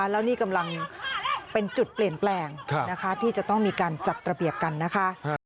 แล้วนี่กำลังเป็นจุดเปลี่ยนแปลงนะคะที่จะต้องมีการจัดระเบียบกันนะคะ